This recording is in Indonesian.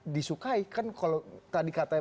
disukai kan kalau tadi katanya